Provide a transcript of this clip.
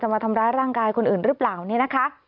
มาทำร้ายร่างกายคนอื่นหรือเปล่าเนี่ยนะคะ